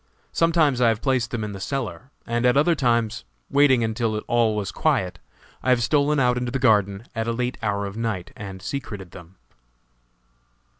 Sometimes I have placed them in the cellar, and at other times, waiting until all was quiet, I have stolen out into the garden, at a late hour of the night, and secreted them."